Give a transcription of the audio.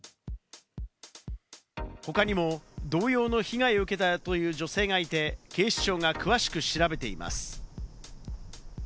他にも同様の被害を受けたという女性がいて、警視庁が詳しく調べています。